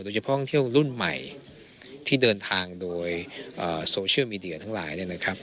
ท่องเที่ยวรุ่นใหม่ที่เดินทางโดยโซเชียลมีเดียทั้งหลายเนี่ยนะครับ